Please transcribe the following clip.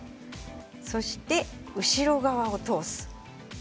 そして、後ろ側を通す。